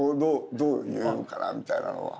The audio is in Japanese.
どう言うかなみたいなのは。